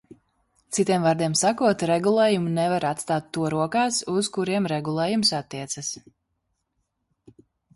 Citiem vārdiem sakot, regulējumu nevar atstāt to rokās, uz kuriem regulējums attiecas.